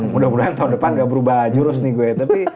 mudah mudahan tahun depan gak berubah jurus nih gue ya